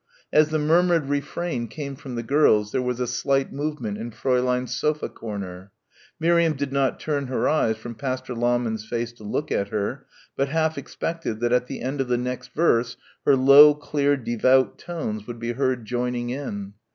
As the murmured refrain came from the girls there was a slight movement in Fräulein's sofa corner. Miriam did not turn her eyes from Pastor Lahmann's face to look at her, but half expected that at the end of the next verse her low clear devout tones would be heard joining in.